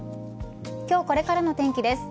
今日これからの天気です。